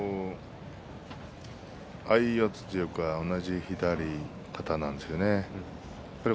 相四つというか同じ左型なんですよね。